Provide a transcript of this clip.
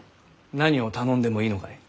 何を頼んでもいいのかい？